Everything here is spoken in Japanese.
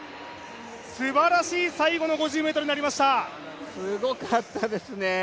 すばらしい最後の５０ｍになりましたすごかったですね